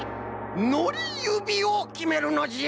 のりゆびをきめるのじゃ！